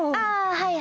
はいはい。